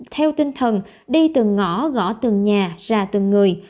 theo tinh thần đi từng ngõ gõ từng nhà ra từng người